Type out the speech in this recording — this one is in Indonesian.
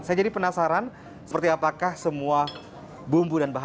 saya jadi penasaran seperti apakah semua bumbu dan bahan makanan ini bisa dikonsumsi